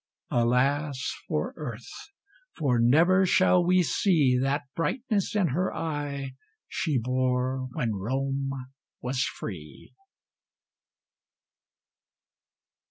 Alas for Earth, for never shall we see That brightness in her eye she bore when Rome was free!